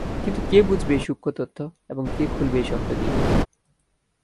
কিন্তু কে বুঝবে এই সূক্ষ্ম তত্ত্ব এবং কে খুলবে এই শক্ত গিঁট।